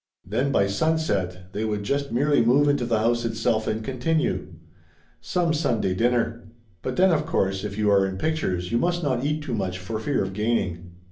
Then by sunset they would just merely move into the house itself, and continue. Some 156 Laughter Limited Sunday dinner ! But then of course if you are in pic tures you must not eat too much for fear of gaining.